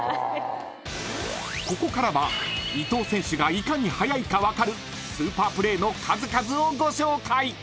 ［ここからは伊東選手がいかに速いか分かるスーパープレーの数々をご紹介］